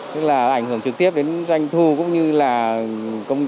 tức là ảnh hưởng trực tiếp đến doanh thu cũng như là công ty